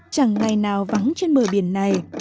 chẳng ngày nào vắng trên bờ biển này